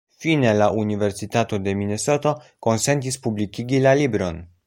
Fine, la Universitato de Minesoto konsentis publikigi la libron.